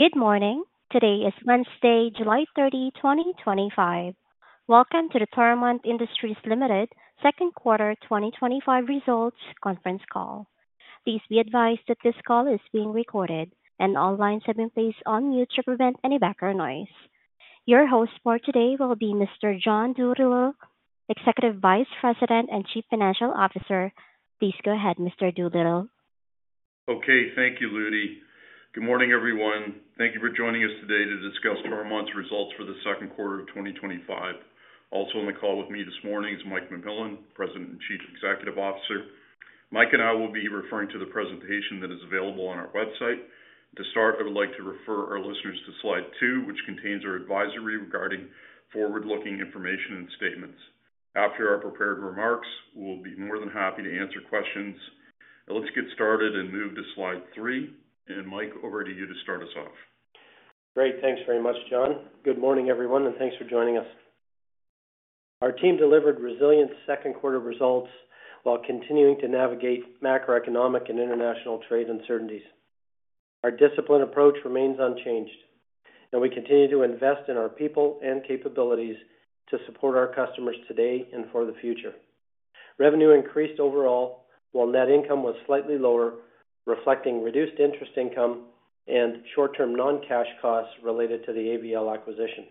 Good morning. Today is Wednesday, July 30, 2025. Welcome to the Toromont Industries Ltd second quarter 2025 results conference call. Please be advised that this call is being recorded, and all lines have been placed on mute to prevent any background noise. Your host for today will be Mr. John Doolittle, Executive Vice President and Chief Financial Officer. Please go ahead, Mr. Doolittle. Okay. Thank you, Ludie. Good morning, everyone. Thank you for joining us today to discuss Toromont's results for the second quarter of 2025. Also on the call with me this morning is Mike McMillan, President and Chief Executive Officer. Mike and I will be referring to the presentation that is available on our website. To start, I would like to refer our listeners to slide two, which contains our advisory regarding forward-looking information and statements. After our prepared remarks, we'll be more than happy to answer questions. Let's get started and move to slide three. Mike, over to you to start us off. Great. Thanks very much, John. Good morning, everyone, and thanks for joining us. Our team delivered resilient second quarter results while continuing to navigate macroeconomic and international trade uncertainties. Our disciplined approach remains unchanged, and we continue to invest in our people and capabilities to support our customers today and for the future. Revenue increased overall, while net income was slightly lower, reflecting reduced interest income and short-term non-cash costs related to the AVL acquisition.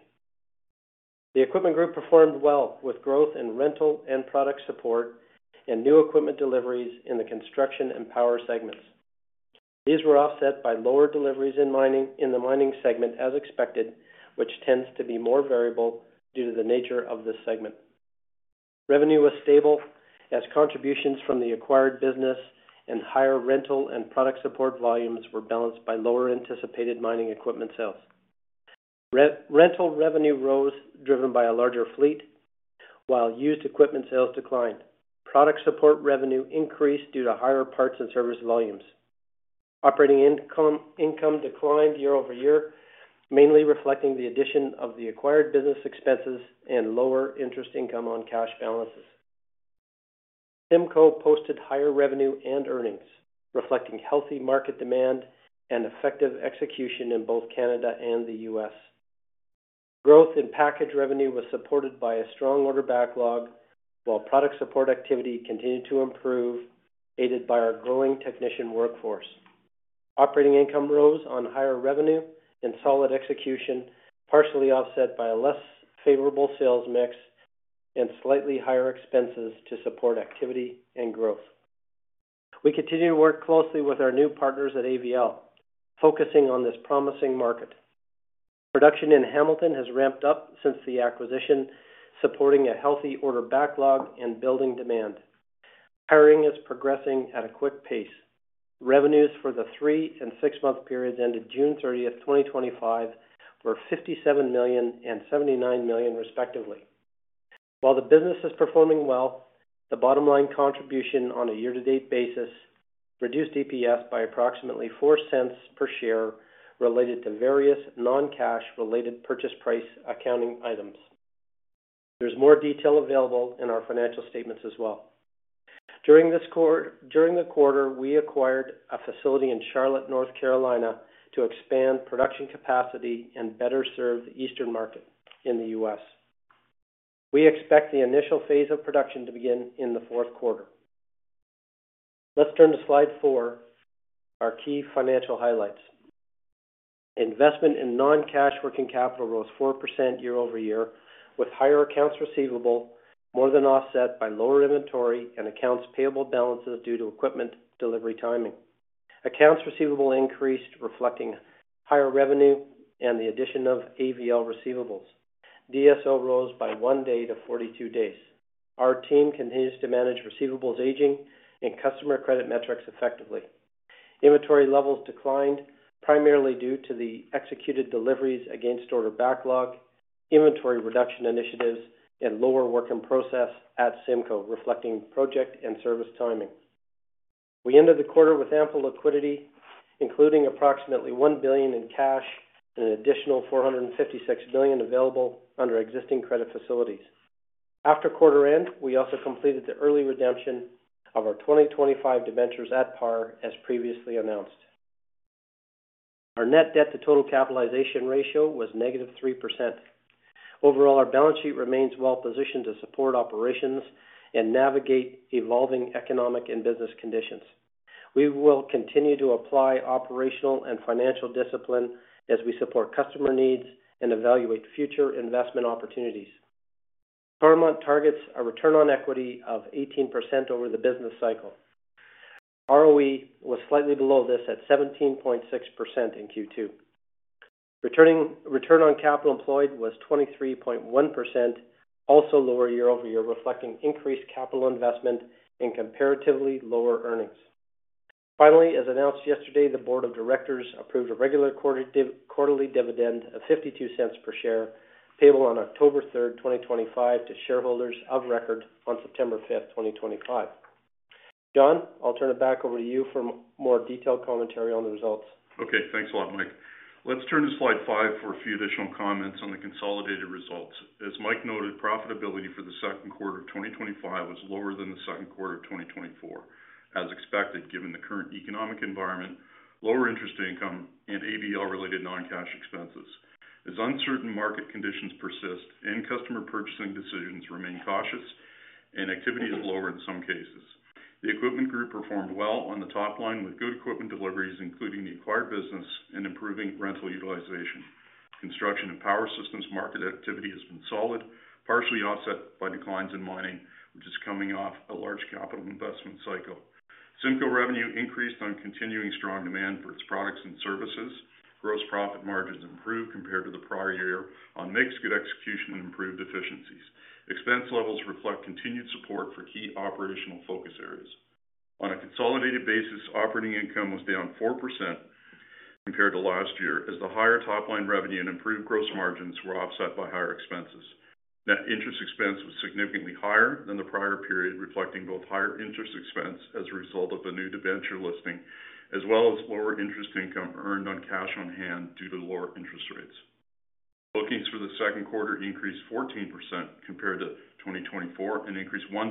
The Equipment Group performed well with growth in rental and product support and new equipment deliveries in the construction and power segments. These were offset by lower deliveries in the mining segment, as expected, which tends to be more variable due to the nature of this segment. Revenue was stable as contributions from the acquired business and higher rental and product support volumes were balanced by lower anticipated mining equipment sales. Rental revenue rose, driven by a larger fleet, while used equipment sales declined. Product support revenue increased due to higher parts and service volumes. Operating income declined year-over-year, mainly reflecting the addition of the acquired business expenses and lower interest income on cash balances. CIMCO posted higher revenue and earnings, reflecting healthy market demand and effective execution in both Canada and the U.S. Growth in package revenue was supported by a strong order backlog, while product support activity continued to improve, aided by our growing technician workforce. Operating income rose on higher revenue and solid execution, partially offset by a less favorable sales mix and slightly higher expenses to support activity and growth. We continue to work closely with our new partners at AVL, focusing on this promising market. Production in Hamilton has ramped up since the acquisition, supporting a healthy order backlog and building demand. Hiring is progressing at a quick pace. Revenues for the three and six-month periods ended June 30th, 2025, were 57 million and 79 million, respectively. While the business is performing well, the bottom line contribution on a year-to-date basis reduced EPS by approximately 0.04 per share related to various non-cash-related purchase price accounting items. There's more detail available in our financial statements as well. During the quarter, we acquired a facility in Charlotte, North Carolina, to expand production capacity and better serve the Eastern market in the U.S. We expect the initial phase of production to begin in the fourth quarter. Let's turn to slide four, our key financial highlights. Investment in non-cash working capital rose 4% year-over-year, with higher accounts receivable more than offset by lower inventory and accounts payable balances due to equipment delivery timing. Accounts receivable increased, reflecting higher revenue and the addition of AVL receivables. DSO rose by one day to 42 days. Our team continues to manage receivables aging and customer credit metrics effectively. Inventory levels declined primarily due to the executed deliveries against order backlog, inventory reduction initiatives, and lower work in process at CIMCO, reflecting project and service timing. We ended the quarter with ample liquidity, including approximately 1 billion in cash and an additional 456 million available under existing credit facilities. After quarter end, we also completed the early redemption of our 2025 debentures at par, as previously announced. Our net debt to total capitalization ratio was negative 3%. Overall, our balance sheet remains well-positioned to support operations and navigate evolving economic and business conditions. We will continue to apply operational and financial discipline as we support customer needs and evaluate future investment opportunities. Per month targets a return on equity of 18% over the business cycle. ROE was slightly below this at 17.6% in Q2. Returning return on capital employed was 23.1%, also lower year-over-year, reflecting increased capital investment and comparatively lower earnings. Finally, as announced yesterday, the board of directors approved a regular quarterly dividend of 0.52 per share, payable on October 3rd, 2025, to shareholders of record on September 5th, 2025. John, I'll turn it back over to you for more detailed commentary on the results. Okay. Thanks a lot, Mike. Let's turn to slide five for a few additional comments on the consolidated results. As Mike noted, profitability for the second quarter of 2025 was lower than the second quarter of 2024, as expected given the current economic environment, lower interest income, and AVL-related non-cash expenses. As uncertain market conditions persist and customer purchasing decisions remain cautious, activity is lower in some cases. The Equipment Group performed well on the top line with good equipment deliveries, including the acquired business and improving rental utilization. Construction and power systems market activity has been solid, partially offset by declines in mining, which is coming off a large capital investment cycle. CIMCO revenue increased on continuing strong demand for its products and services. Gross profit margins improved compared to the prior year on mixed good execution and improved efficiencies. Expense levels reflect continued support for key operational focus areas. On a consolidated basis, operating income was down 4% compared to last year as the higher top line revenue and improved gross margins were offset by higher expenses. Net interest expense was significantly higher than the prior period, reflecting both higher interest expense as a result of the new debenture listing as well as lower interest income earned on cash on hand due to lower interest rates. Bookings for the second quarter increased 14% compared to 2024 and increased 1%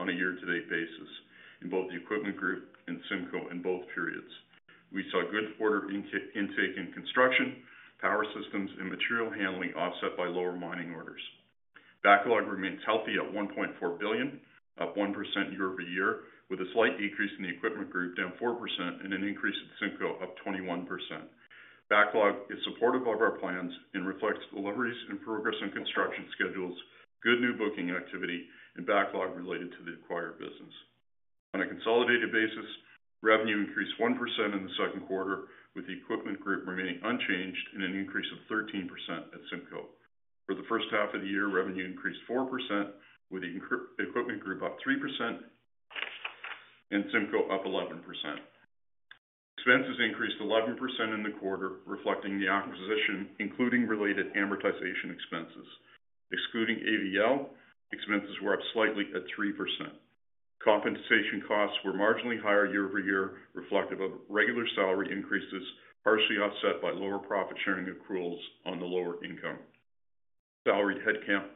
on a year-to-date basis in both the Equipment Group and CIMCO in both periods. We saw good order intake in construction, power systems, and material handling offset by lower mining orders. Backlog remains healthy at 1.4 billion, up 1% year-over-year, with a slight decrease in the Equipment Group down 4% and an increase in CIMCO up 21%. Backlog is supportive of our plans and reflects deliveries in progress and construction schedules, good new booking activity, and backlog related to the acquired business. On a consolidated basis, revenue increased 1% in the second quarter, with the Equipment Group remaining unchanged and an increase of 13% at CIMCO. For the first half of the year, revenue increased 4%, with the Equipment Group up 3% and CIMCO up 11%. Expenses increased 11% in the quarter, reflecting the acquisition, including related amortization expenses. Excluding AVL, expenses were up slightly at 3%. Compensation costs were marginally higher year-over-year, reflective of regular salary increases, partially offset by lower profit sharing accruals on the lower income. Salaried headcount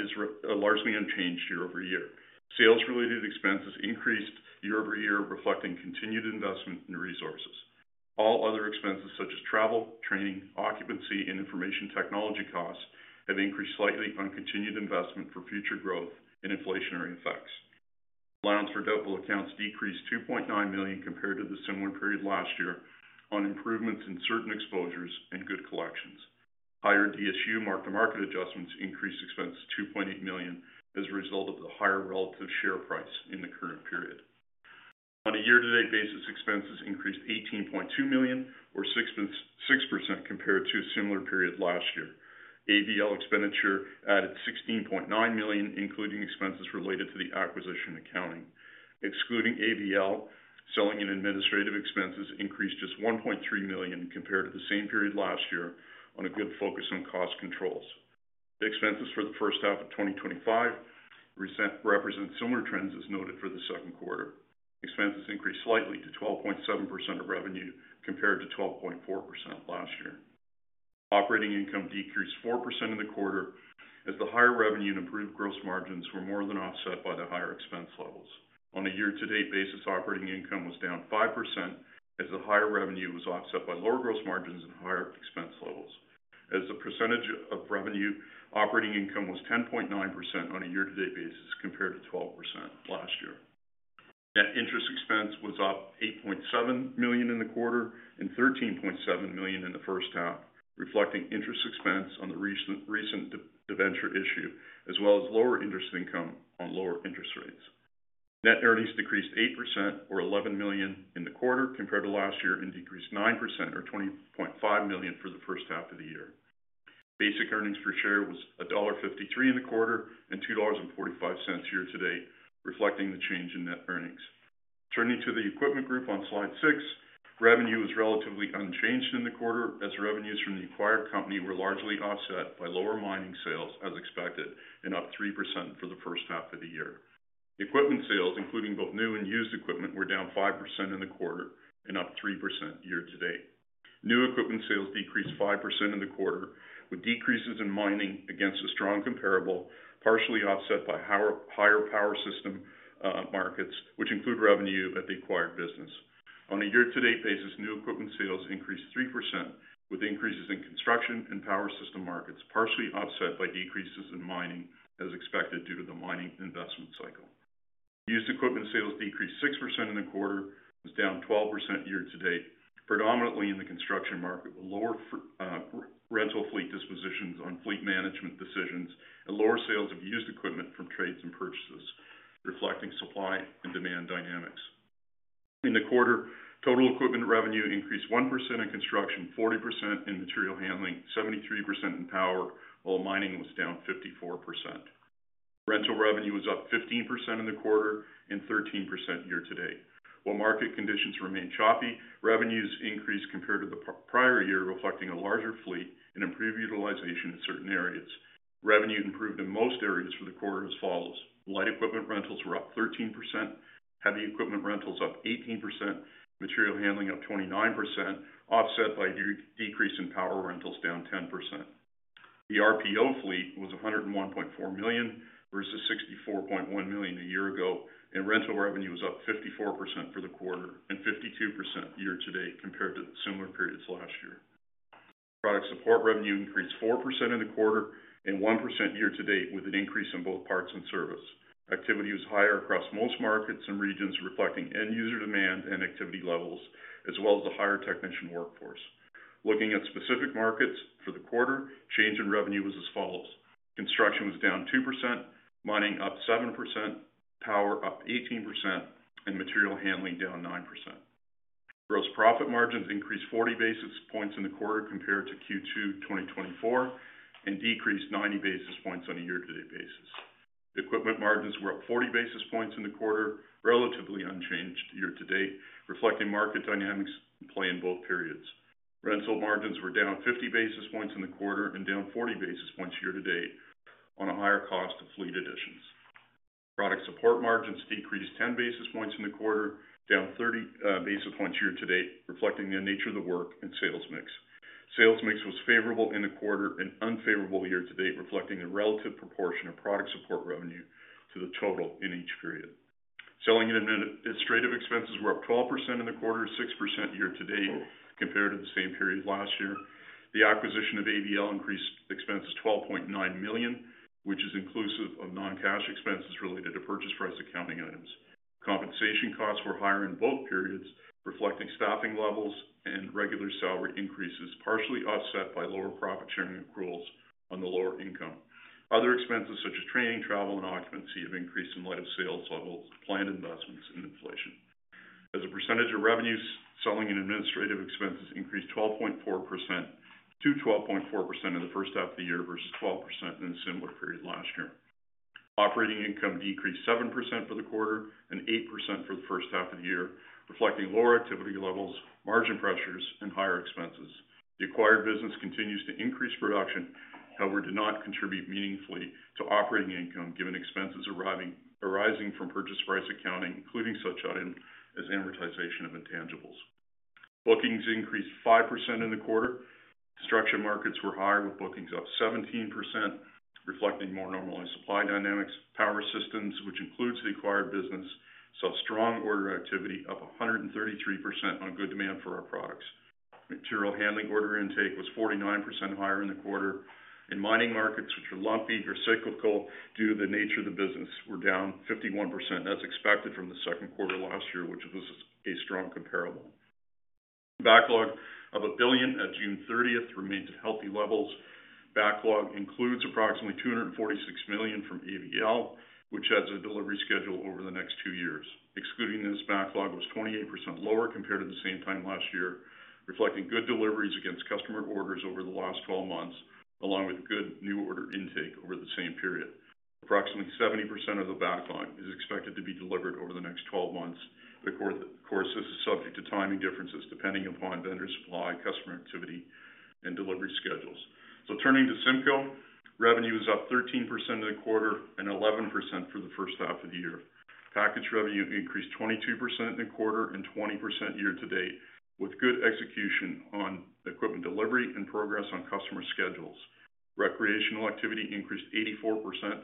is largely unchanged year-over-year. Sales-related expenses increased year-over-year, reflecting continued investment in resources. All other expenses, such as travel, training, occupancy, and information technology costs, have increased slightly on continued investment for future growth and inflationary effects. Allowance for doubtful accounts decreased 2.9 million compared to the similar period last year on improvements in certain exposures and good collections. Higher DSU mark-to-market adjustments increased expenses 2.8 million as a result of the higher relative share price in the current period. On a year-to-date basis, expenses increased 18.2 million or 6% compared to a similar period last year. AVL expenditure added 16.9 million, including expenses related to the acquisition accounting. Excluding AVL, selling and administrative expenses increased just 1.3 million compared to the same period last year on a good focus on cost controls. Expenses for the first half of 2025 represent similar trends as noted for the second quarter. Expenses increased slightly to 12.7% of revenue compared to 12.4% last year. Operating income decreased 4% in the quarter as the higher revenue and improved gross margins were more than offset by the higher expense levels. On a year-to-date basis, operating income was down 5% as the higher revenue was offset by lower gross margins and higher expense levels. As a percentage of revenue, operating income was 10.9% on a year-to-date basis compared to 12% last year. Net interest expense was up 8.7 million in the quarter and 13.7 million in the first half, reflecting interest expense on the recent debenture issue as well as lower interest income on lower interest rates. Net earnings decreased 8% or 11 million in the quarter compared to last year and decreased 9% or 20.5 million for the first half of the year. Basic earnings per share was dollar 1.53 in the quarter and 2.45 dollars year to date, reflecting the change in net earnings. Turning to the Equipment Group on slide six, revenue was relatively unchanged in the quarter as revenues from the acquired company were largely offset by lower mining sales as expected and up 3% for the first half of the year. Equipment sales, including both new and used equipment, were down 5% in the quarter and up 3% year to date. New equipment sales decreased 5% in the quarter with decreases in mining against a strong comparable, partially offset by higher power system markets, which include revenue at the acquired business. On a year-to-date basis, new equipment sales increased 3% with increases in construction and power system markets, partially offset by decreases in mining as expected due to the mining investment cycle. Used equipment sales decreased 6% in the quarter and was down 12% year to date, predominantly in the construction market with lower rental fleet dispositions on fleet management decisions and lower sales of used equipment from trades and purchases, reflecting supply and demand dynamics. In the quarter, total equipment revenue increased 1% in construction, 40% in material handling, 73% in power, while mining was down 54%. Rental revenue was up 15% in the quarter and 13% year to date. While market conditions remain choppy, revenues increased compared to the prior year, reflecting a larger fleet and improved utilization in certain areas. Revenue improved in most areas for the quarter as follows: light equipment rentals were up 13%, heavy equipment rentals up 18%, material handling up 29%, offset by a decrease in power rentals down 10%. The RPO fleet was 101.4 million versus 64.1 million a year ago, and rental revenue was up 54% for the quarter and 52% year to date compared to similar periods last year. Product support revenue increased 4% in the quarter and 1% year to date with an increase in both parts and service. Activity was higher across most markets and regions, reflecting end-user demand and activity levels, as well as a higher technician workforce. Looking at specific markets for the quarter, change in revenue was as follows: construction was down 2%, mining up 7%, power up 18%, and material handling down 9%. Gross profit margins increased 40 basis points in the quarter compared to Q2 2024 and decreased 90 basis points on a year-to-date basis. Equipment margins were up 40 basis points in the quarter, relatively unchanged year to date, reflecting market dynamics play in both periods. Rental margins were down 50 basis points in the quarter and down 40 basis points year to date on a higher cost of fleet additions. Product support margins decreased 10 basis points in the quarter, down 30 basis points year to date, reflecting the nature of the work and sales mix. Sales mix was favorable in the quarter and unfavorable year to date, reflecting the relative proportion of product support revenue to the total in each period. Selling and administrative expenses were up 12% in the quarter, 6% year to date compared to the same period last year. The acquisition of AVL increased expenses 12.9 million, which is inclusive of non-cash expenses related to purchase price accounting items. Compensation costs were higher in both periods, reflecting staffing levels and regular salary increases, partially offset by lower profit sharing accruals on the lower income. Other expenses such as training, travel, and occupancy have increased in light of sales levels, planned investments, and inflation. As a percentage of revenues, selling and administrative expenses increased to 12.4% in the first half of the year versus 12% in a similar period last year. Operating income decreased 7% for the quarter and 8% for the first half of the year, reflecting lower activity levels, margin pressures, and higher expenses. The acquired business continues to increase production; however, it did not contribute meaningfully to operating income given expenses arising from purchase price accounting, including such items as amortization of intangibles. Bookings increased 5% in the quarter. Construction markets were higher with bookings up 17%, reflecting more normalized supply dynamics. Power systems, which includes the acquired business, saw strong order activity up 133% on a good demand for our products. Material handling order intake was 49% higher in the quarter. In mining markets, which are lumpy or cyclical due to the nature of the business, were down 51% as expected from the second quarter last year, which was a strong comparable. Backlog of 1 billion at June 30th remains at healthy levels. Backlog includes approximately 246 million from AVL, which has a delivery schedule over the next two years. Excluding this, backlog was 28% lower compared to the same time last year, reflecting good deliveries against customer orders over the last 12 months, along with good new order intake over the same period. Approximately 70% of the backlog is expected to be delivered over the next 12 months. Of course, this is subject to timing differences depending upon vendor supply, customer activity, and delivery schedules. Turning to CIMCO, revenue is up 13% in the quarter and 11% for the first half of the year. Package revenue increased 22% in the quarter and 20% year to date with good execution on equipment delivery and progress on customer schedules. Recreational activity increased 84%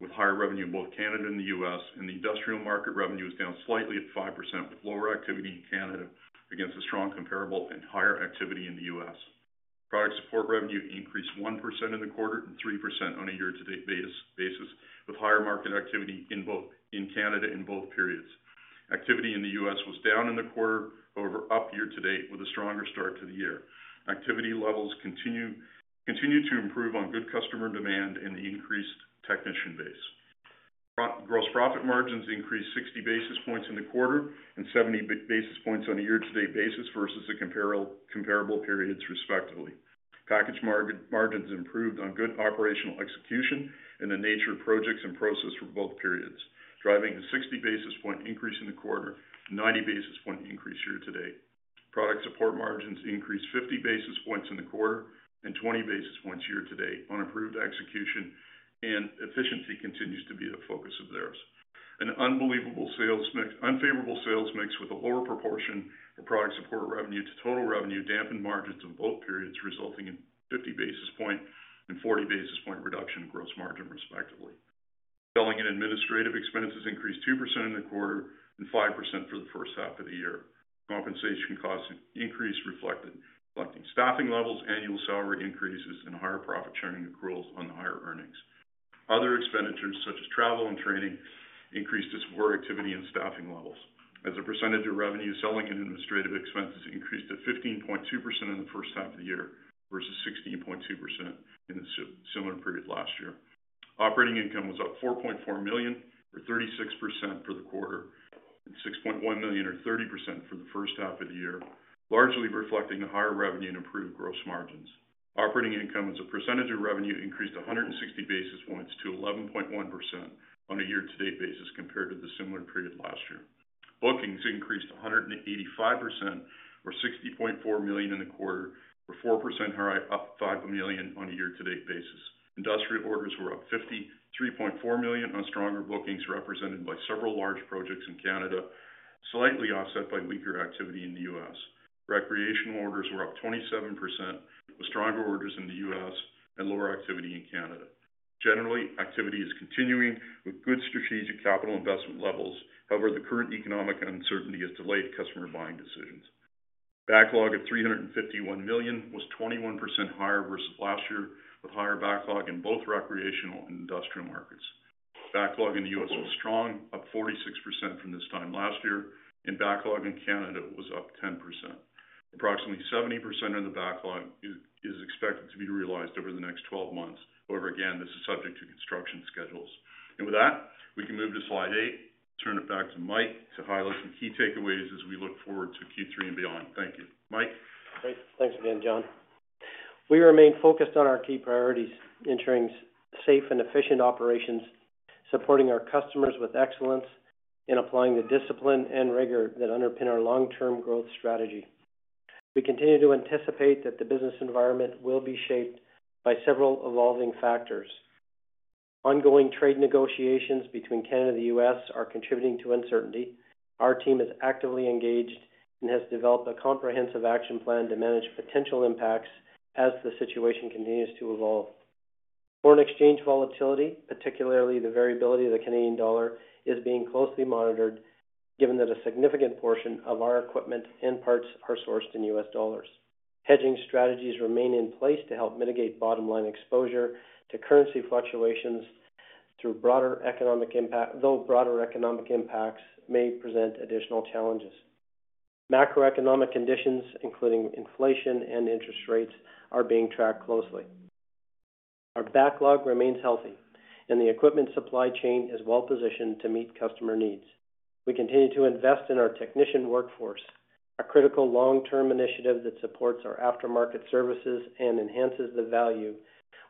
with higher revenue in both Canada and the U.S., and the industrial market revenue is down slightly at 5% with lower activity in Canada against a strong comparable and higher activity in the U.S. Product support revenue increased 1% in the quarter and 3% on a year-to-date basis with higher market activity in both Canada in both periods. Activity in the U.S. was down in the quarter, however, up year to date with a stronger start to the year. Activity levels continue to improve on good customer demand and the increased technician base. Gross profit margins increased 60 basis points in the quarter and 70 basis points on a year-to-date basis versus the comparable periods, respectively. Package margins improved on good operational execution and the nature of projects and process for both periods, driving a 60 basis point increase in the quarter, 90 basis point increase year to date. Product support margins increased 50 basis points in the quarter and 20 basis points year to date on improved execution, and efficiency continues to be the focus of theirs. An unfavorable sales mix with a lower proportion of product support revenue to total revenue dampened margins in both periods, resulting in 50 basis point and 40 basis point reduction in gross margin, respectively. Selling and administrative expenses increased 2% in the quarter and 5% for the first half of the year. Compensation costs increased, reflecting staffing levels, annual salary increases, and higher profit sharing accruals on the higher earnings. Other expenditures such as travel and training increased as work activity and staffing levels. As a percentage of revenue, selling and administrative expenses increased to 15.2% in the first half of the year versus 16.2% in the similar period last year. Operating income was up 4.4 million or 36% for the quarter and 6.1 million or 30% for the first half of the year, largely reflecting higher revenue and improved gross margins. Operating income as a percentage of revenue increased 160 basis points to 11.1% on a year-to-date basis compared to the similar period last year. Bookings increased 185% or 60.4 million in the quarter, or 4% higher, up 5 million on a year-to-date basis. Industrial orders were up 53.4 million on stronger bookings represented by several large projects in Canada, slightly offset by weaker activity in the U.S. Recreational orders were up 27% with stronger orders in the U.S. and lower activity in Canada. Generally, activity is continuing with good strategic capital investment levels. However, the current economic uncertainty has delayed customer buying decisions. Backlog of 351 million was 21% higher versus last year, with higher backlog in both recreational and industrial markets. Backlog in the U.S. was strong, up 46% from this time last year, and backlog in Canada was up 10%. Approximately 70% of the backlog is expected to be realized over the next 12 months. However, again, this is subject to construction schedules. With that, we can move to slide eight, turn it back to Mike to highlight some key takeaways as we look forward to Q3 and beyond. Thank you, Mike. Thanks again, John. We remain focused on our key priorities, ensuring safe and efficient operations, supporting our customers with excellence, and applying the discipline and rigor that underpin our long-term growth strategy. We continue to anticipate that the business environment will be shaped by several evolving factors. Ongoing trade negotiations between Canada and the U.S. are contributing to uncertainty. Our team is actively engaged and has developed a comprehensive action plan to manage potential impacts as the situation continues to evolve. Foreign exchange volatility, particularly the variability of the Canadian dollar, is being closely monitored given that a significant portion of our equipment and parts are sourced in U.S. dollars. Hedging strategies remain in place to help mitigate bottom line exposure to currency fluctuations, though broader economic impacts may present additional challenges. Macroeconomic conditions, including inflation and interest rates, are being tracked closely. Our backlog remains healthy and the equipment supply chain is well-positioned to meet customer needs. We continue to invest in our technician workforce, a critical long-term initiative that supports our aftermarket services and enhances the value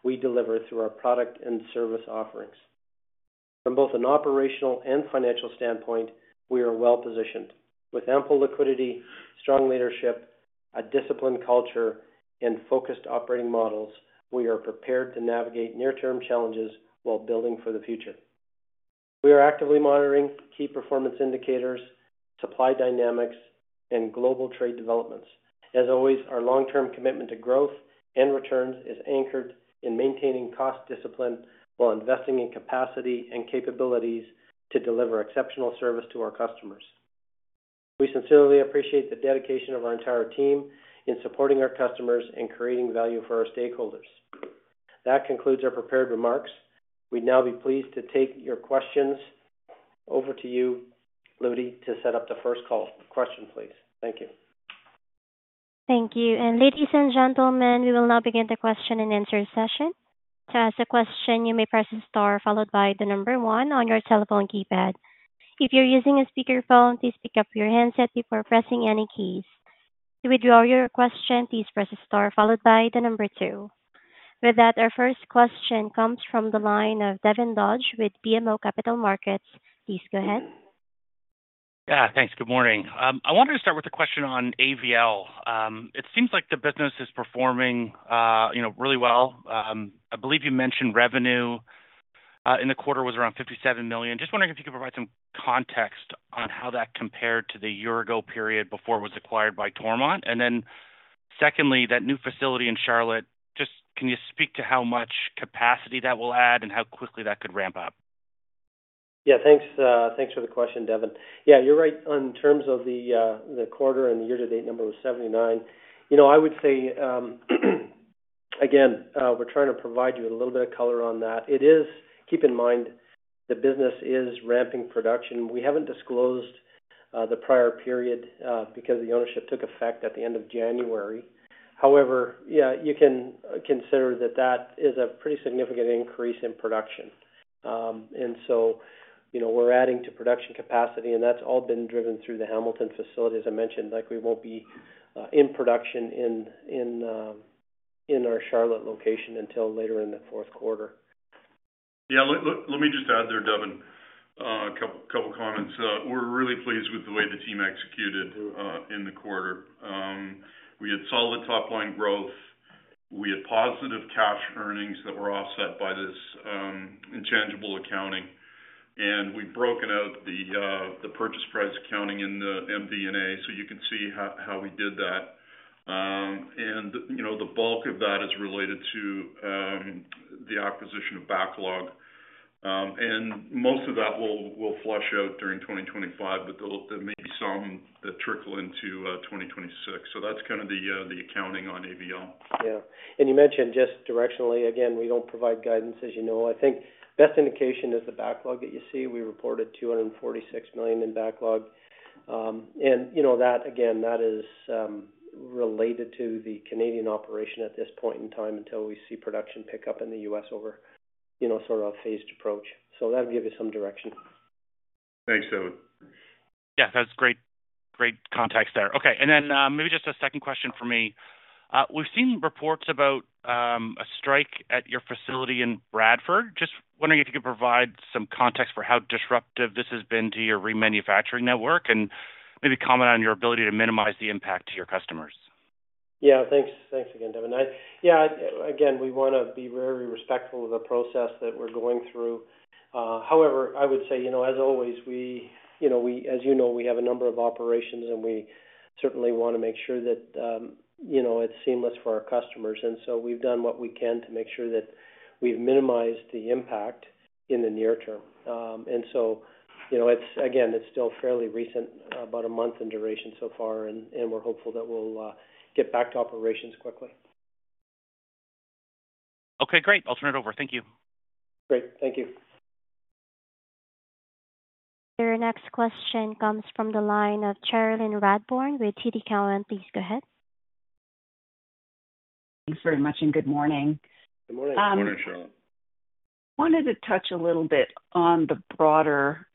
we deliver through our product and service offerings. From both an operational and financial standpoint, we are well-positioned with ample liquidity, strong leadership, a disciplined culture, and focused operating models. We are prepared to navigate near-term challenges while building for the future. We are actively monitoring key performance indicators, supply dynamics, and global trade developments. As always, our long-term commitment to growth and returns is anchored in maintaining cost discipline while investing in capacity and capabilities to deliver exceptional service to our customers. We sincerely appreciate the dedication of our entire team in supporting our customers and creating value for our stakeholders. That concludes our prepared remarks. We'd now be pleased to take your questions. Over to you, Ludie, to set up the first call. Question, please. Thank you. Thank you. Ladies and gentlemen, we will now begin the question and answer session. To ask a question, you may press the star followed by the number one on your telephone keypad. If you're using a speakerphone, please pick up your headset before pressing any keys. To withdraw your question, please press the star followed by the number two. Our first question comes from the line of Devin Dodge with BMO Capital Markets. Please go ahead. Yeah, thanks. Good morning. I wanted to start with a question on AVL. It seems like the business is performing really well. I believe you mentioned revenue in the quarter was around 57 million. Just wondering if you could provide some context on how that compared to the year-ago period before it was acquired by Toromont. Secondly, that new facility in Charlotte, just can you speak to how much capacity that will add and how quickly that could ramp up? Yeah, thanks for the question, Devin. Yeah, you're right. In terms of the quarter and the year-to-date number of 79 million, you know I would say, again, we're trying to provide you a little bit of color on that. Keep in mind, the business is ramping production. We haven't disclosed the prior period because the ownership took effect at the end of January. However, you can consider that that is a pretty significant increase in production. You know we're adding to production capacity, and that's all been driven through the Hamilton facility, as I mentioned. We won't be in production in our Charlotte location until later in the fourth quarter. Yeah, let me just add there, Devin, a couple of comments. We're really pleased with the way the team executed in the quarter. We had solid top line growth. We had positive cash earnings that were offset by this intangible accounting. We've broken out the purchase price accounting in the MD&A, so you can see how we did that. The bulk of that is related to the acquisition of backlog. Most of that will flush out during 2025, but there may be some that trickle into 2026. That's kind of the accounting on AVL. Yeah. You mentioned just directionally, again, we don't provide guidance, as you know. I think the best indication is the backlog that you see. We reported 246 million in backlog, and you know that, again, that is related to the Canadian operation at this point in time until we see production pick up in the U.S. over, you know, sort of a phased approach. That'll give you some direction. Thanks, Devin. That's great, great context there. Okay. Maybe just a second question for me. We've seen reports about a strike at your facility in Bradford. Just wondering if you could provide some context for how disruptive this has been to your remanufacturing network and maybe comment on your ability to minimize the impact to your customers. Yeah, thanks. Thanks again, Devin. We want to be very respectful of the process that we're going through. However, I would say, as always, we have a number of operations and we certainly want to make sure that it's seamless for our customers. We've done what we can to make sure that we've minimized the impact in the near term. It's still fairly recent, about a month in duration so far, and we're hopeful that we'll get back to operations quickly. Okay, great. I'll turn it over. Thank you. Great, thank you. Your next question comes from the line of Cherilyn Radbourne with TD Cowen. Please go ahead. Thanks very much, and good morning. Good morning. Morning, Cherilyn. I wanted to touch a little bit on the broader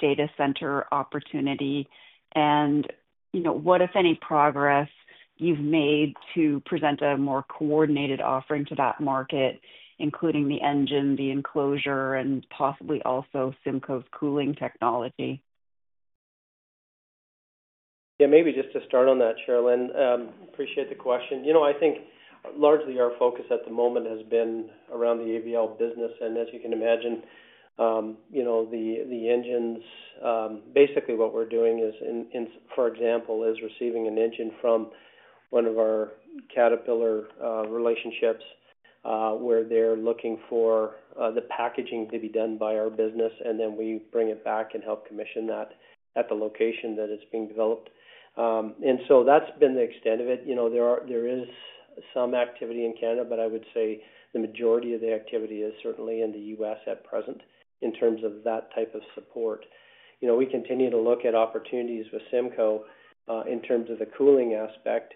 data center opportunity and, you know, what, if any, progress you've made to present a more coordinated offering to that market, including the engine, the enclosure, and possibly also CIMCO's cooling technology. Yeah, maybe just to start on that, Cherilyn. I appreciate the question. I think largely our focus at the moment has been around the AVL business. As you can imagine, the engines, basically what we're doing is, for example, receiving an engine from one of our Caterpillar relationships where they're looking for the packaging to be done by our business, and then we bring it back and help commission that at the location that it's being developed. That's been the extent of it. There is some activity in Canada, but I would say the majority of the activity is certainly in the U.S. at present in terms of that type of support. We continue to look at opportunities with CIMCO in terms of the cooling aspect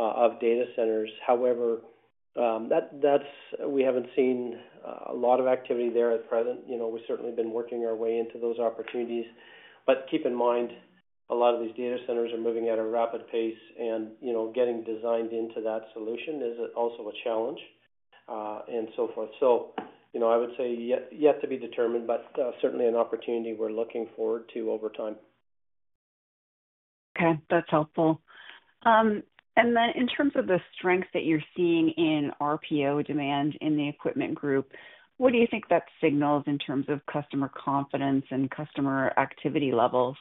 of data centers. However, we haven't seen a lot of activity there at present. We've certainly been working our way into those opportunities. Keep in mind, a lot of these data centers are moving at a rapid pace, and getting designed into that solution is also a challenge, and so forth. I would say yet to be determined, but certainly an opportunity we're looking forward to over time. Okay. That's helpful. In terms of the strength that you're seeing in RPO demand in the Equipment Group, what do you think that signals in terms of customer confidence and customer activity levels?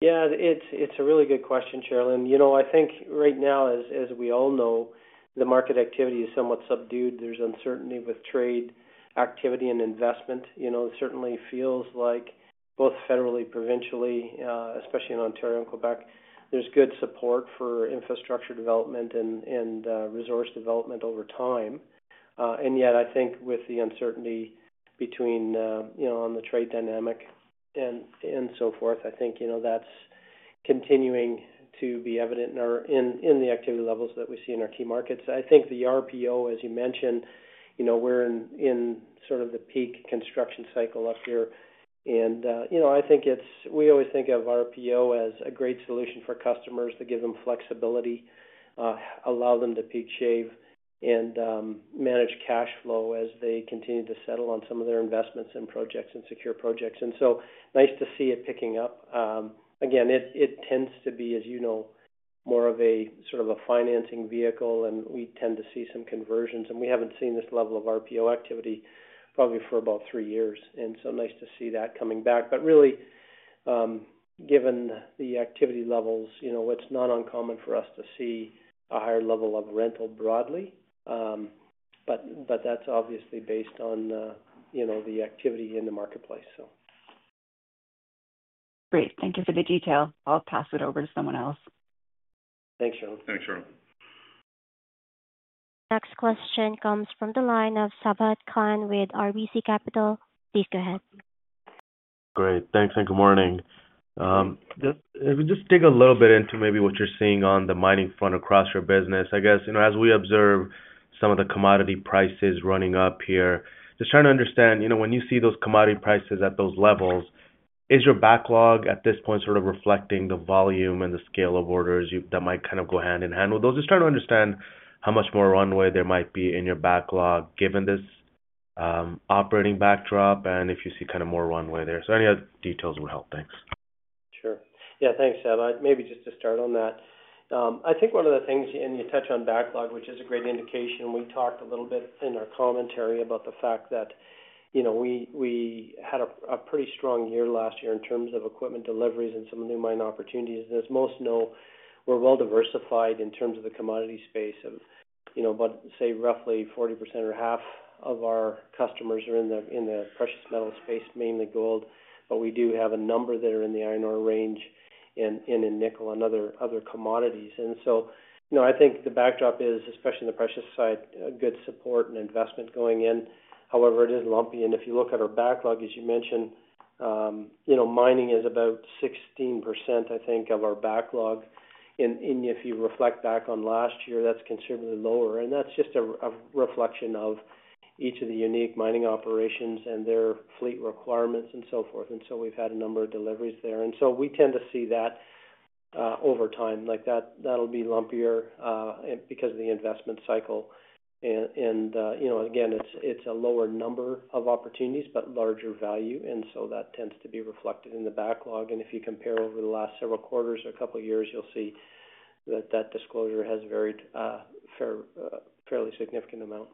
Yeah, it's a really good question, Cherilyn. You know, I think right now, as we all know, the market activity is somewhat subdued. There's uncertainty with trade activity and investment. It certainly feels like both federally, provincially, especially in Ontario and Quebec, there's good support for infrastructure development and resource development over time. Yet, I think with the uncertainty between, you know, on the trade dynamic and so forth, that's continuing to be evident in the activity levels that we see in our key markets. I think the RPO, as you mentioned, we're in sort of the peak construction cycle up here. We always think of RPO as a great solution for customers to give them flexibility, allow them to peak shave, and manage cash flow as they continue to settle on some of their investments and projects and secure projects. It's nice to see it picking up. Again, it tends to be, as you know, more of a sort of a financing vehicle, and we tend to see some conversions. We haven't seen this level of RPO activity probably for about three years. It's nice to see that coming back. Really, given the activity levels, it's not uncommon for us to see a higher level of rental broadly. That's obviously based on the activity in the marketplace. Great. Thank you for the detail. I'll pass it over to someone else. Thanks, Cherilyn. Thanks, Cherilyn. Next question comes from the line of Sabahat Khan with RBC Capital. Please go ahead. Great. Thanks and good morning. If we just dig a little bit into maybe what you're seeing on the mining front across your business, I guess, you know, as we observe some of the commodity prices running up here, just trying to understand, you know, when you see those commodity prices at those levels, is your backlog at this point sort of reflecting the volume and the scale of orders that might kind of go hand in hand with those? Just trying to understand how much more runway there might be in your backlog given this operating backdrop and if you see kind of more runway there. Any other details would help. Thanks. Sure. Yeah, thanks, Sabahat. Maybe just to start on that. I think one of the things, and you touched on backlog, which is a great indication, we talked a little bit in our commentary about the fact that we had a pretty strong year last year in terms of equipment deliveries and some new mine opportunities. As most know, we're well diversified in terms of the commodity space, about say roughly 40% or half of our customers are in the precious metals space, mainly gold. We do have a number that are in the iron ore range and in nickel and other commodities. I think the backdrop is, especially in the precious side, a good support and investment going in. However, it is lumpy. If you look at our backlog, as you mentioned, mining is about 16% of our backlog. If you reflect back on last year, that's considerably lower. That's just a reflection of each of the unique mining operations and their fleet requirements and so forth. We've had a number of deliveries there. We tend to see that over time. That'll be lumpier because of the investment cycle. Again, it's a lower number of opportunities, but larger value. That tends to be reflected in the backlog. If you compare over the last several quarters or a couple of years, you'll see that disclosure has varied a fairly significant amount.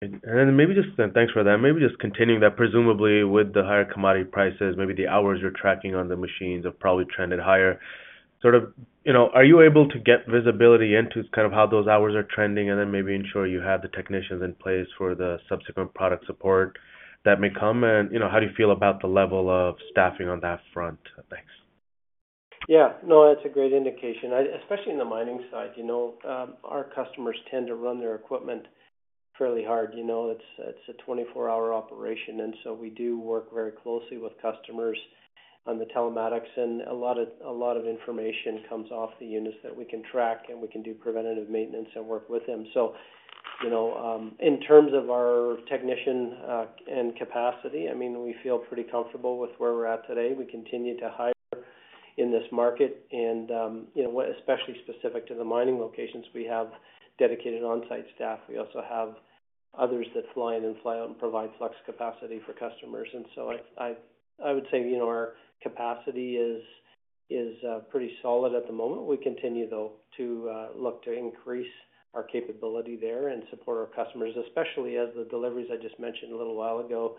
Thanks for that. Maybe just continuing that, presumably with the higher commodity prices, maybe the hours you're tracking on the machines have probably trended higher. Are you able to get visibility into how those hours are trending and then ensure you have the technicians in place for the subsequent product support that may come? How do you feel about the level of staffing on that front? Thanks. Yeah, no, that's a great indication. Especially in the mining side, our customers tend to run their equipment fairly hard. It's a 24-hour operation. We do work very closely with customers on the telematics. A lot of information comes off the units that we can track, and we can do preventative maintenance and work with them. In terms of our technician and capacity, we feel pretty comfortable with where we're at today. We continue to hire in this market, especially specific to the mining locations. We have dedicated on-site staff. We also have others that fly in and fly out and provide flex capacity for customers. I would say our capacity is pretty solid at the moment. We continue to look to increase our capability there and support our customers, especially as the deliveries I just mentioned a little while ago.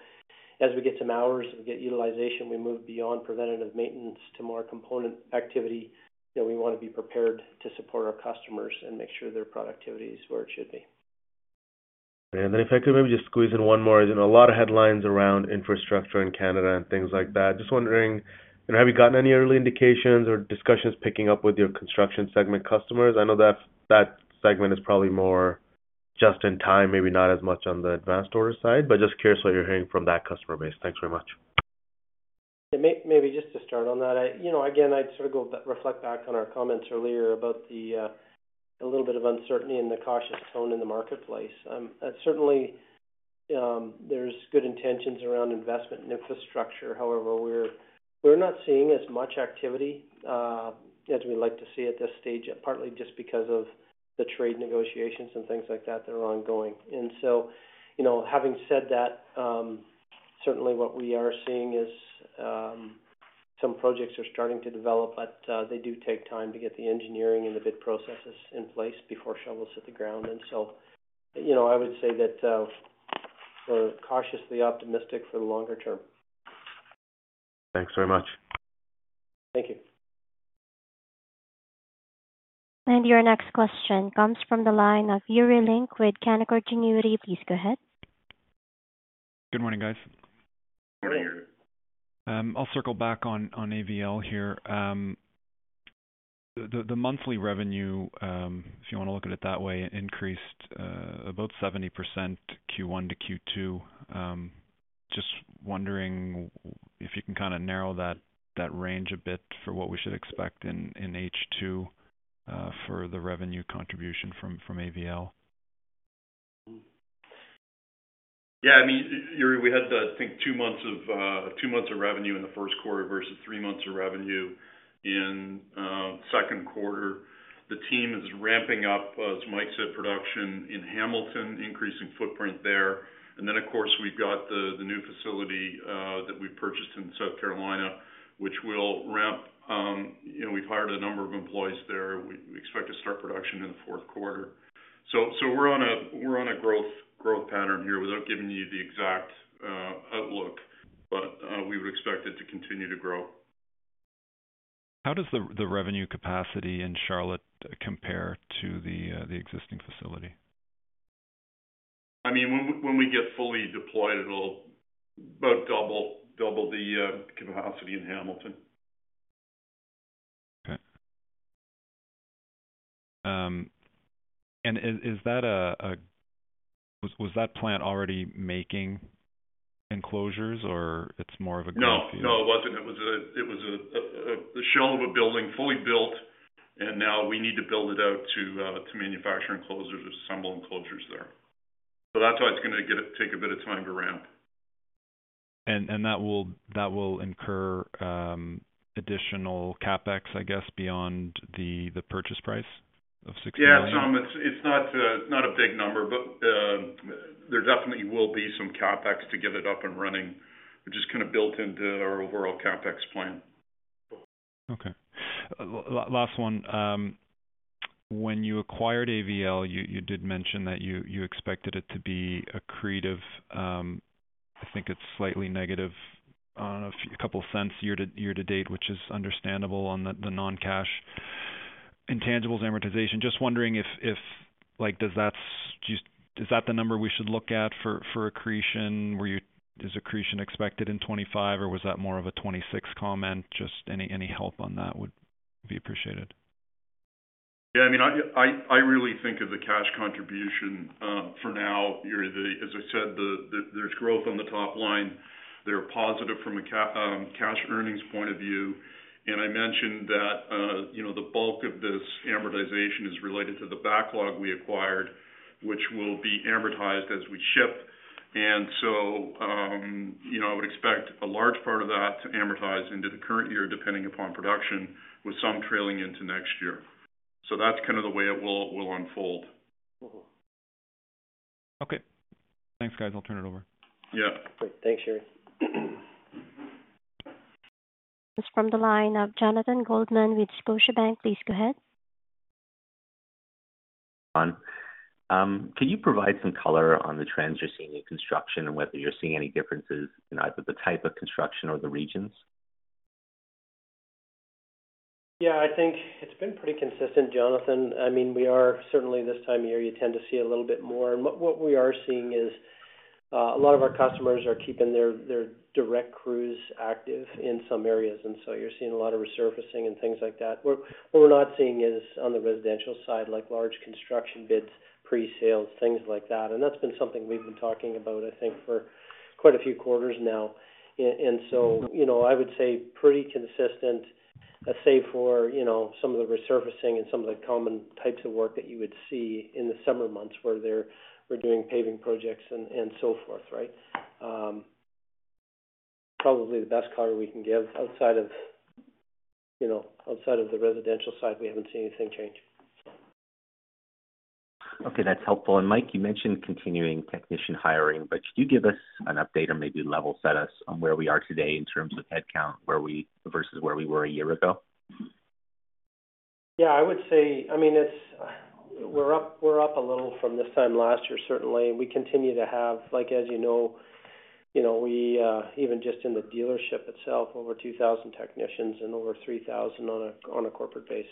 As we get some hours, we get utilization, we move beyond preventative maintenance to more component activity. We want to be prepared to support our customers and make sure their productivity is where it should be. If I could maybe just squeeze in one more, you know, a lot of headlines around infrastructure in Canada and things like that. Just wondering, you know, have you gotten any early indications or discussions picking up with your construction segment customers? I know that segment is probably more just in time, maybe not as much on the advanced order side, but just curious what you're hearing from that customer base. Thanks very much. Maybe just to start on that, I’d reflect back on our comments earlier about a little bit of uncertainty and the cautious tone in the marketplace. Certainly, there's good intentions around investment in infrastructure. However, we're not seeing as much activity as we'd like to see at this stage, partly just because of the trade negotiations and things like that that are ongoing. Having said that, certainly what we are seeing is some projects are starting to develop, but they do take time to get the engineering and the bid processes in place before shovels hit the ground. I would say that we're cautiously optimistic for the longer term. Thanks very much. Thank you. Your next question comes from the line of Yuri Lynk with Canaccord Genuity. Please go ahead. Good morning, guys. Morning. I'll circle back on AVL here. The monthly revenue, if you want to look at it that way, increased about 70% Q1 to Q2. Just wondering if you can kind of narrow that range a bit for what we should expect in H2 for the revenue contribution from AVL. Yeah, I mean, Yuri, we had, I think, two months of revenue in the first quarter versus three months of revenue in the second quarter. The team is ramping up, as Mike said, production in Hamilton, increasing footprint there. Of course, we've got the new facility that we've purchased in South Carolina, which will ramp. We've hired a number of employees there. We expect to start production in the fourth quarter. We're on a growth pattern here without giving you the exact outlook, but we would expect it to continue to grow. How does the revenue capacity in Charlotte compare to the existing facility? I mean, when we get fully deployed, it'll about double the capacity in Hamilton. Is that plant already making enclosures, or is it more of a growth? No, it wasn't. It was a shell of a building fully built, and now we need to build it out to manufacture enclosures or assemble enclosures there. That's why it's going to take a bit of time to ramp. That will incur additional CapEx, I guess, beyond the purchase price of 60 million? It's not a big number, but there definitely will be some CapEx to get it up and running, which is kind of built into our overall CapEx plan. Okay, last one. When you acquired AVL, you did mention that you expected it to be accretive. I think it's slightly negative on a couple of cents year to date, which is understandable on the non-cash intangibles amortization. Just wondering, does that just, is that the number we should look at for accretion? Is accretion expected in 2025 or was that more of a 2026 comment? Any help on that would be appreciated. Yeah, I mean, I really think of the cash contribution for now. As I said, there's growth on the top line. They're positive from a cash earnings point of view. I mentioned that the bulk of this amortization is related to the backlog we acquired, which will be amortized as we ship. I would expect a large part of that to amortize into the current year depending upon production, with some trailing into next year. That's kind of the way it will unfold. Okay, thanks, guys. I'll turn it over. Yeah. Great. Thanks, Yuri. From the line of Jonathan Goldman with Scotiabank, please go ahead. John, can you provide some color on the trends you're seeing in construction and whether you're seeing any differences in either the type of construction or the regions? Yeah, I think it's been pretty consistent, Jonathan. I mean, we are certainly this time of year, you tend to see a little bit more. What we are seeing is a lot of our customers are keeping their direct crews active in some areas, so you're seeing a lot of resurfacing and things like that. What we're not seeing is on the residential side, like large construction bids, pre-sales, things like that. That's been something we've been talking about, I think, for quite a few quarters now. I would say pretty consistent, save for some of the resurfacing and some of the common types of work that you would see in the summer months where they're doing paving projects and so forth, right? Probably the best color we can give outside of the residential side, we haven't seen anything change. Okay, that's helpful. Mike, you mentioned continuing technician hiring. Could you give us an update or maybe level set us on where we are today in terms of headcount versus where we were a year ago? Yeah, I would say, I mean, we're up a little from this time last year, certainly. We continue to have, like as you know, even just in the dealership itself, over 2,000 technicians and over 3,000 on a corporate basis.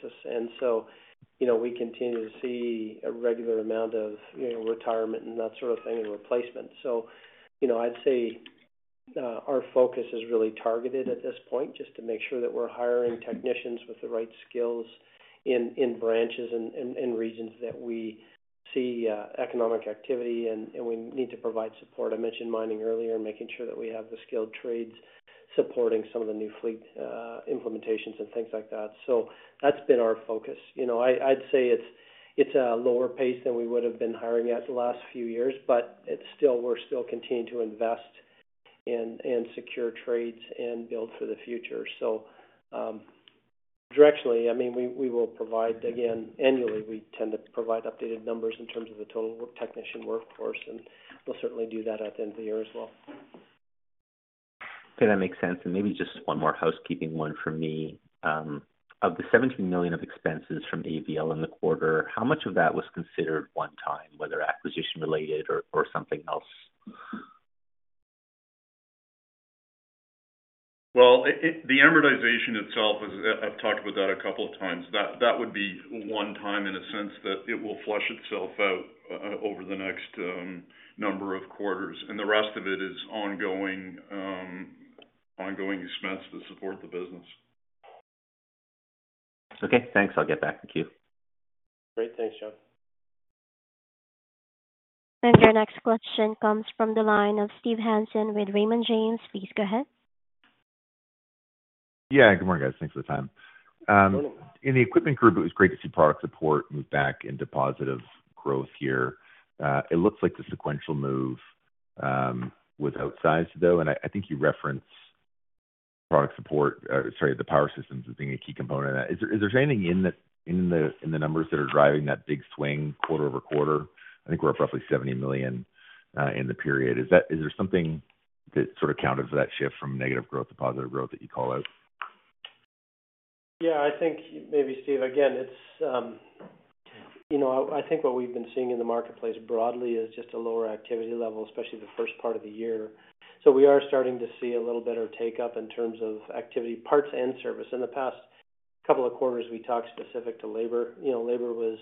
We continue to see a regular amount of retirement and that sort of thing and replacement. I'd say our focus is really targeted at this point just to make sure that we're hiring technicians with the right skills in branches and regions that we see economic activity and we need to provide support. I mentioned mining earlier and making sure that we have the skilled trades supporting some of the new fleet implementations and things like that. That's been our focus. I'd say it's a lower pace than we would have been hiring at the last few years, but we're still continuing to invest in secure trades and build for the future. Directionally, we will provide, again, annually, we tend to provide updated numbers in terms of the total technician workforce, and we'll certainly do that at the end of the year as well. Okay, that makes sense. Maybe just one more housekeeping one for me. Of the 17 million of expenses from AVL in the quarter, how much of that was considered one-time, whether acquisition-related or something else? The amortization itself, I've talked about that a couple of times. That would be one time in a sense that it will flush itself out over the next number of quarters. The rest of it is ongoing expense to support the business. Okay, thanks. I'll get back to queue. Great. Thanks, Jon. Your next question comes from the line of Steve Hansen with Raymond James. Please go ahead. Good morning, guys. Thanks for the time. Morning. In the Equipment Group, it was great to see product support move back into positive growth here. It looks like the sequential move was outsized, though, and I think you referenced product support, sorry, the power systems as being a key component of that. Is there anything in the numbers that are driving that big swing quarter-over-quarter? I think we're at roughly 70 million in the period. Is that, is there something that sort of accounted for that shift from negative growth to positive growth that you call out? Yeah, I think maybe Steve, again, it's, you know, I think what we've been seeing in the marketplace broadly is just a lower activity level, especially the first part of the year. We are starting to see a little better takeup in terms of activity, parts, and service. In the past couple of quarters, we talked specific to labor. Labor was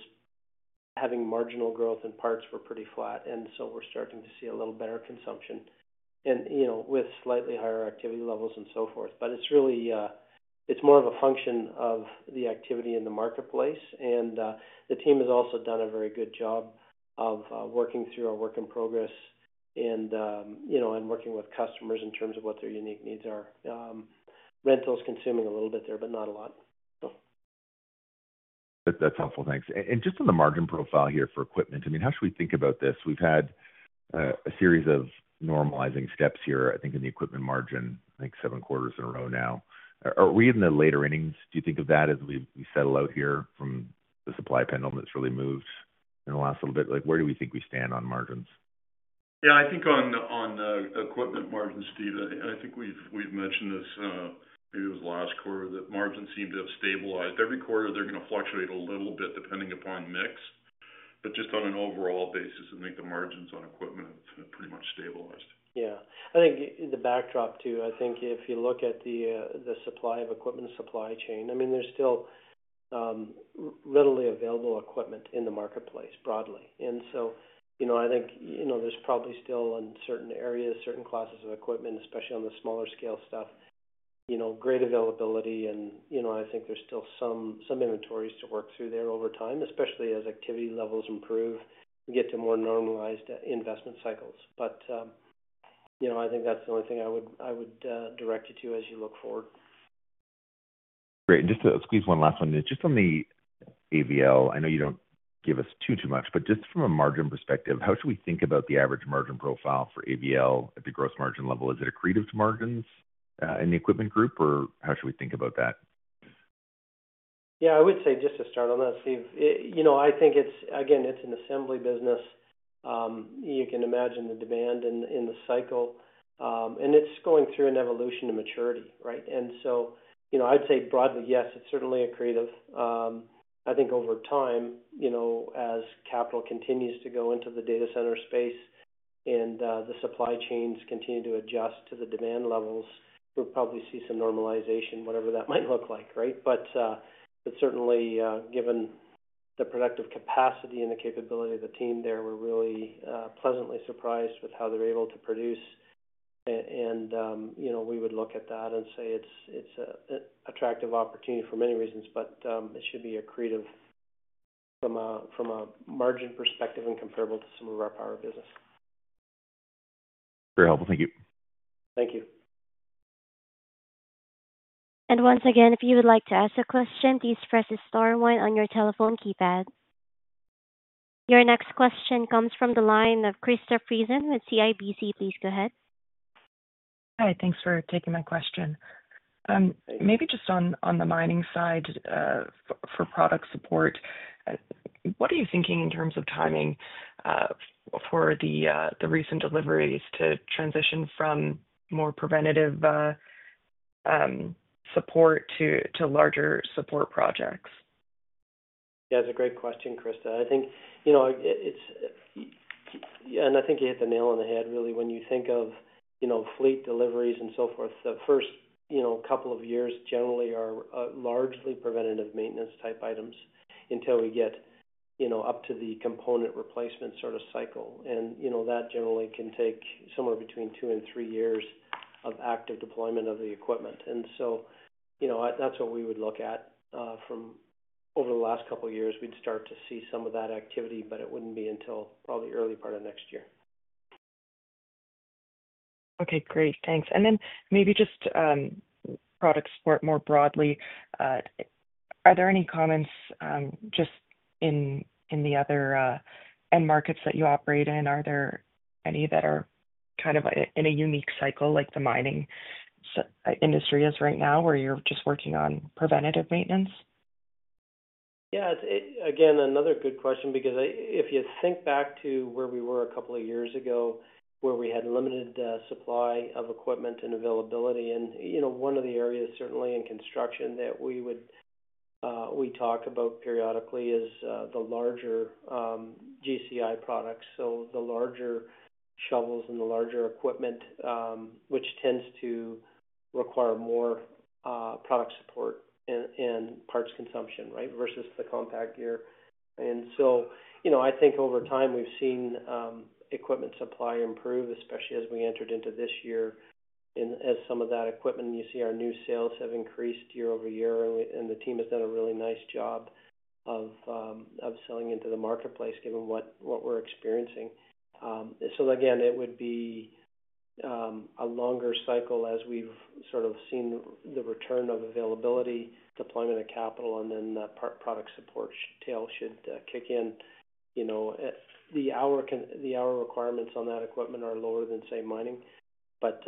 having marginal growth and parts were pretty flat. We're starting to see a little better consumption, you know, with slightly higher activity levels and so forth. It's really more of a function of the activity in the marketplace. The team has also done a very good job of working through our work in progress and, you know, working with customers in terms of what their unique needs are. Rental is consuming a little bit there, but not a lot. That's helpful. Thanks. Just on the margin profile here for equipment, how should we think about this? We've had a series of normalizing steps here, I think, in the equipment margin, I think seven quarters in a row now. Are we in the later innings? Do you think of that as we settle out here from the supply pendulum that's really moved in the last little bit? Where do we think we stand on margins? Yeah, I think on the equipment margins, Steve, I think we've mentioned this, maybe it was last quarter, that margins seem to have stabilized. Every quarter, they're going to fluctuate a little bit depending upon mix. Just on an overall basis, I think the margins on equipment have pretty much stabilized. I think the backdrop too, I think if you look at the supply of equipment supply chain, there's still readily available equipment in the marketplace broadly. You know, I think there's probably still in certain areas, certain classes of equipment, especially on the smaller scale stuff, great availability. I think there's still some inventories to work through there over time, especially as activity levels improve and get to more normalized investment cycles. I think that's the only thing I would direct you to as you look forward. Great. Just to squeeze one last one in, on the AVL, I know you don't give us too, too much, but just from a margin perspective, how should we think about the average margin profile for AVL at the gross margin level? Is it accretive to margins in the Equipment Group, or how should we think about that? Yeah, I would say just to start on that, Steve, I think it's, again, it's an assembly business. You can imagine the demand in the cycle, and it's going through an evolution to maturity, right? I'd say broadly, yes, it's certainly accretive. I think over time, as capital continues to go into the data center space and the supply chains continue to adjust to the demand levels, we'll probably see some normalization, whatever that might look like, right? Certainly, given the productive capacity and the capability of the team there, we're really pleasantly surprised with how they're able to produce. We would look at that and say it's an attractive opportunity for many reasons, but it should be accretive from a margin perspective and comparable to some of our power business. Very helpful. Thank you. Thank you. If you would like to ask a question, please press the star one on your telephone keypad. Your next question comes from the line of Krista Friesen with CIBC. Please go ahead. Hi, thanks for taking my question. Maybe just on the mining side, for product support, what are you thinking in terms of timing for the recent deliveries to transition from more preventative support to larger support projects? Yeah, that's a great question, Krista. I think you hit the nail on the head, really, when you think of fleet deliveries and so forth. The first couple of years generally are largely preventative maintenance type items until we get up to the component replacement sort of cycle. That generally can take somewhere between two and three years of active deployment of the equipment. That's what we would look at from over the last couple of years. We'd start to see some of that activity, but it wouldn't be until probably early part of next year. Okay, great. Thanks. Maybe just product support more broadly. Are there any comments, just in the other end markets that you operate in? Are there any that are kind of in a unique cycle like the mining industry is right now where you're just working on preventative maintenance? Yeah, it's, again, another good question because if you think back to where we were a couple of years ago, where we had limited supply of equipment and availability. One of the areas certainly in construction that we talk about periodically is the larger GCI products, so the larger shovels and the larger equipment, which tends to require more product support and parts consumption, right, versus the compact gear. I think over time we've seen equipment supply improve, especially as we entered into this year. As some of that equipment, you see our new sales have increased year-over-year, and the team has done a really nice job of selling into the marketplace given what we're experiencing. It would be a longer cycle as we've sort of seen the return of availability, deployment of capital, and then that product support tail should kick in. The hour requirements on that equipment are lower than, say, mining, but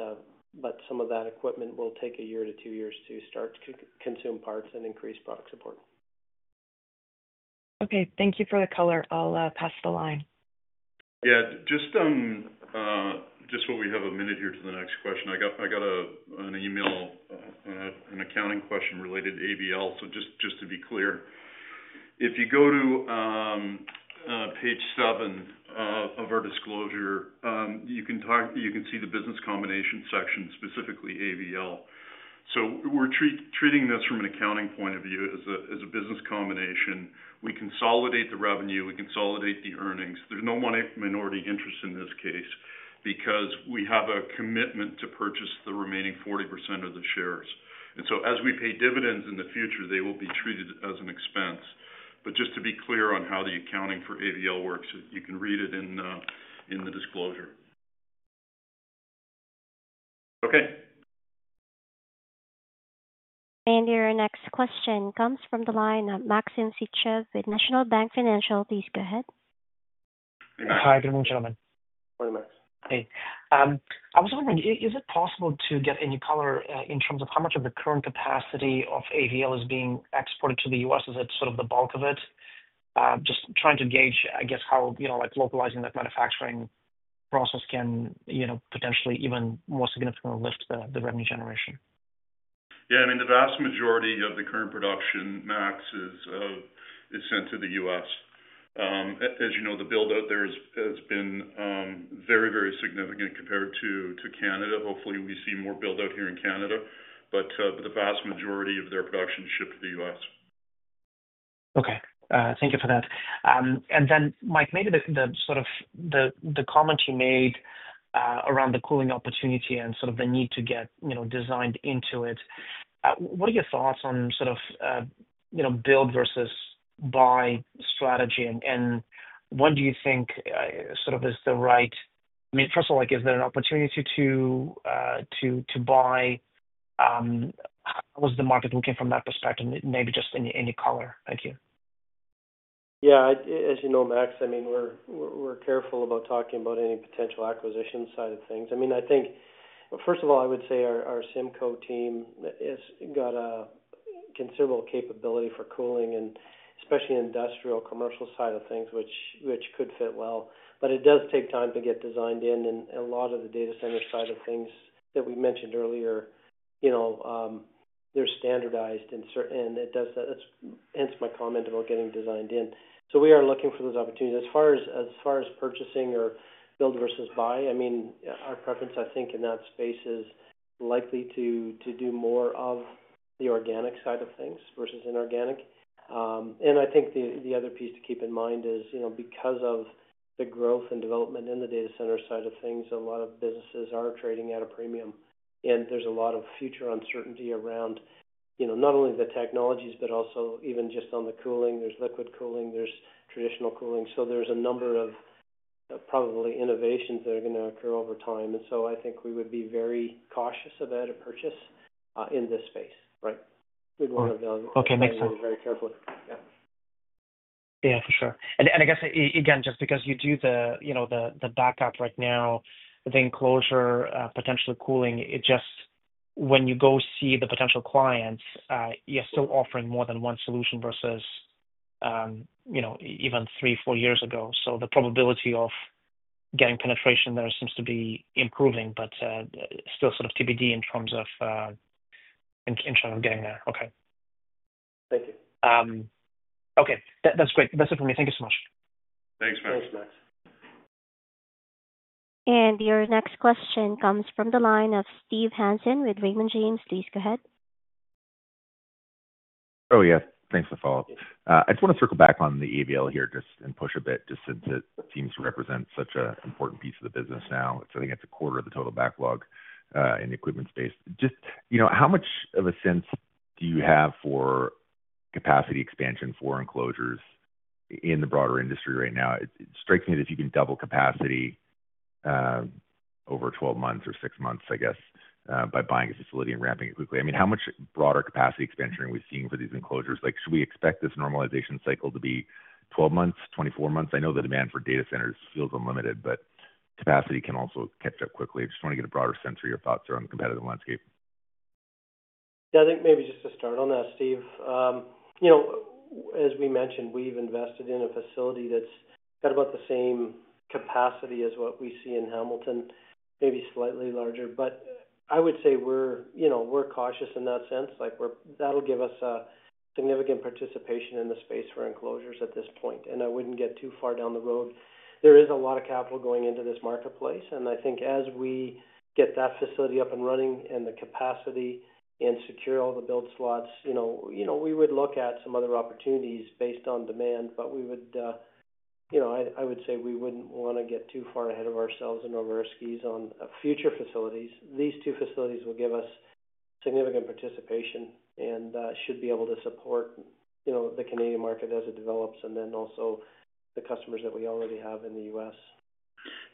some of that equipment will take a year to two years to start to consume parts and increase product support. Okay. Thank you for the color. I'll pass the line. Yeah, just while we have a minute here to the next question, I got an email, and an accounting question related to AVL. Just to be clear, if you go to page seven of our disclosure, you can see the business combination section, specifically AVL. We're treating this from an accounting point of view as a business combination. We consolidate the revenue. We consolidate the earnings. There's no minority interest in this case because we have a commitment to purchase the remaining 40% of the shares. As we pay dividends in the future, they will be treated as an expense. Just to be clear on how the accounting for AVL works, you can read it in the disclosure. Okay. Your next question comes from the line of Maxim Sytchev with National Bank Financial. Please go ahead. Hi, good morning, gentlemen. Morning, Max. Hey, I was wondering, is it possible to get any color in terms of how much of the current capacity of AVL is being exported to the U.S.? Is it sort of the bulk of it? I'm just trying to gauge, I guess, how, you know, like localizing that manufacturing process can potentially even more significantly lift the revenue generation. Yeah, I mean, the vast majority of the current production, Max, is sent to the U.S. As you know, the build-out there has been very, very significant compared to Canada. Hopefully, we see more build-out here in Canada. The vast majority of their production is shipped to the U.S. Okay, thank you for that. Mike, maybe the comment you made around the cooling opportunity and the need to get designed into it. What are your thoughts on build versus buy strategy? What do you think is the right, I mean, first of all, is there an opportunity to buy? How is the market looking from that perspective? Maybe just any color. Thank you. Yeah, as you know, Max, we're careful about talking about any potential acquisition side of things. I think, first of all, I would say our CIMCO team has got a considerable capability for cooling and especially industrial commercial side of things, which could fit well. It does take time to get designed in. A lot of the data center side of things that we mentioned earlier, they're standardized and certain, and it does that. That's hence my comment about getting designed in. We are looking for those opportunities. As far as purchasing or build versus buy, our preference, I think, in that space is likely to do more of the organic side of things versus inorganic. I think the other piece to keep in mind is, because of the growth and development in the data center side of things, a lot of businesses are trading at a premium. There's a lot of future uncertainty around not only the technologies, but also even just on the cooling. There's liquid cooling. There's traditional cooling. There's a number of, probably, innovations that are going to occur over time. I think we would be very cautious of that at a purchase in this space, right? We'd want to evaluate very carefully. Yeah, for sure. I guess, just because you do the backup right now, the enclosure, potentially cooling, when you go see the potential clients, you're still offering more than one solution versus even three, four years ago. The probability of getting penetration there seems to be improving, but still sort of TBD in terms of getting there. Okay. Thank you. Okay, that's great. That's it for me. Thank you so much. Thanks, Max. Thanks, Max. Your next question comes from the line of Steve Hansen with Raymond James. Please go ahead. Oh, yeah. Thanks for the follow-up. I just want to circle back on the AVL here and push a bit, just since it seems to represent such an important piece of the business now. I think it's a quarter of the total backlog in the equipment space. Just, you know, how much of a sense do you have for capacity expansion for enclosures in the broader industry right now? It strikes me that if you can double capacity over 12 months or 6 months, I guess, by buying a facility and ramping it quickly. I mean, how much broader capacity expansion are we seeing for these enclosures? Should we expect this normalization cycle to be 12 months, 24 months? I know the demand for data centers feels unlimited, but capacity can also catch up quickly. I just want to get a broader sense for your thoughts around the competitive landscape. Yeah, I think maybe just to start on that, Steve. As we mentioned, we've invested in a facility that's got about the same capacity as what we see in Hamilton, maybe slightly larger. I would say we're cautious in that sense. That'll give us a significant participation in the space for enclosures at this point. I wouldn't get too far down the road. There is a lot of capital going into this marketplace. I think as we get that facility up and running and the capacity and secure all the build slots, we would look at some other opportunities based on demand. I would say we wouldn't want to get too far ahead of ourselves and over our skis on future facilities. These two facilities will give us significant participation and should be able to support the Canadian market as it develops, and also the customers that we already have in the U.S.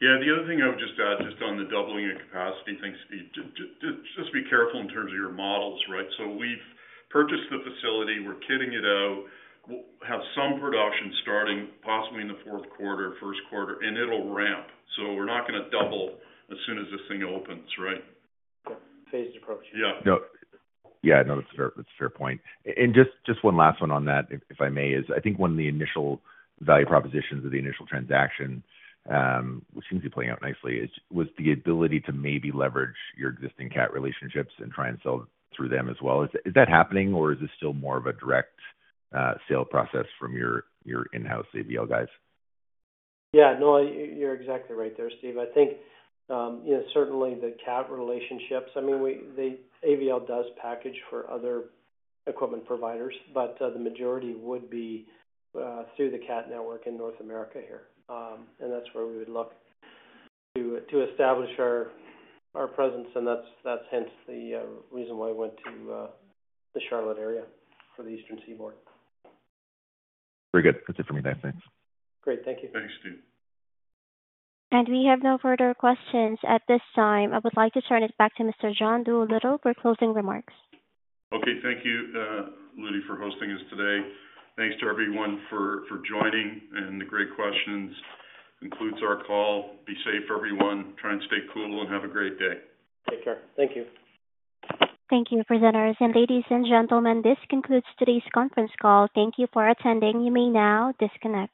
Yeah, the other thing I would just add, just on the doubling of capacity thing, Steve, just be careful in terms of your models, right? We have purchased the facility. We're kitting it out. We have some production starting possibly in the fourth quarter, first quarter, and it'll ramp. We're not going to double as soon as this thing opens, right? Yeah, phased approach. Yeah. That's a fair point. Just one last one on that, if I may, is I think one of the initial value propositions of the initial transaction, which seems to be playing out nicely, was the ability to maybe leverage your existing CAT relationships and try and sell through them as well. Is that happening, or is this still more of a direct sale process from your in-house AVL guys? Yeah, no, you're exactly right there, Steve. I think, you know, certainly the CAT relationships, I mean, AVL does package for other equipment providers, but the majority would be through the CAT network in North America. That's where we would look to establish our presence. That's the reason why I went to the Charlotte area for the Eastern Seaboard. Very good. That's it for me there. Thanks. Great, thank you. Thanks, Steve. We have no further questions at this time. I would like to turn it back to Mr. John Doolittle for closing remarks. Okay. Thank you, Ludie, for hosting us today. Thanks to everyone for joining and the great questions. This concludes our call. Be safe, everyone. Try and stay cool and have a great day. Take care. Thank you. Thank you, presenters. Ladies and gentlemen, this concludes today's conference call. Thank you for attending. You may now disconnect.